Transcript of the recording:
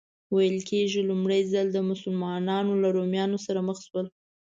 ویل کېږي لومړی ځل و مسلمانان له رومیانو سره مخ شول.